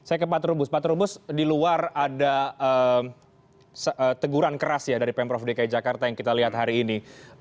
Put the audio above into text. oke ya baik saya ke pak terubus pak terubus di luar ada teguran keras ya dari pemprov dki jakarta yang kita lihat hari ini